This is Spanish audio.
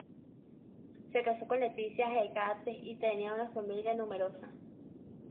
Se casó con Leticia Highgate y tenía una familia numerosa.